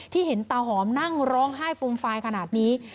เห็นตาหอมนั่งร้องไห้ฟูมฟายขนาดนี้